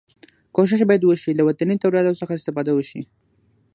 کوښښ باید وشي له وطني تولیداتو څخه استفاده وشي.